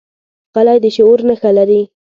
غلی، د شعور نښه لري.